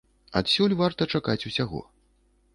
Адсюль варта чакаць усяго.